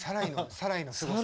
「サライ」のすごさ。